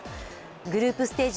グループステージ